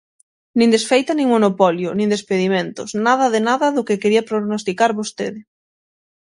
Nin desfeita nin monopolio, nin despedimentos, nada de nada do que quería prognosticar vostede.